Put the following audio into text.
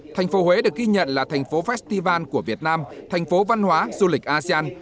thành phố huế được ghi nhận là thành phố festival của việt nam thành phố văn hóa du lịch asean